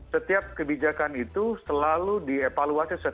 setiap kebijakan itu selalu dievaluasi setiap minggu